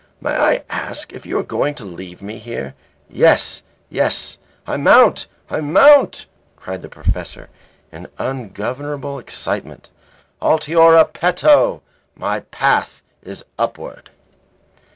May I ask if you are going to leave me here?" "Yes, yes. I mount! I mount!" cried the professor in ungovernable excitement. "Altiora peto. My path is upward."